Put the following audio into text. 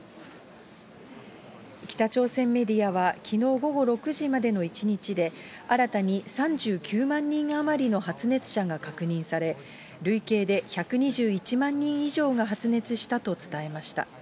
北朝鮮メディアはきのう午後６時までの１日で、新たに３９万人余りの発熱者が確認され、累計で１２１万人以上が発熱したと伝えました。